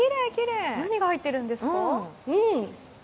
何が入ってるんですか？